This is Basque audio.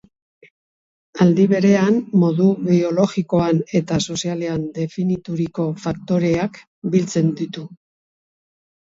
Aldi berean, modu biologikoan eta sozialean definituriko faktoreak biltzen ditu.